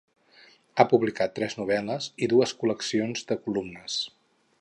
Ha publicat tres novel·les i dues col·leccions de columnes.